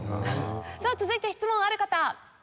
さあ続いて質問ある方？